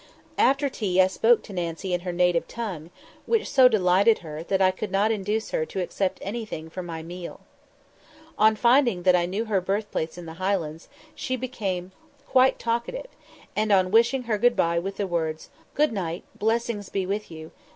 After tea I spoke to Nancy in her native tongue, which so delighted her, that I could not induce her to accept anything for my meal. On finding that I knew her birthplace in the Highlands, she became quite talkative, and on wishing her good bye with the words "_Oiche mhaith dhuibh; Beannachd luibh!" [Footnote: Good night; blessings be with you.